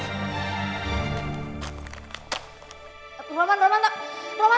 roman roman roman tunggu roman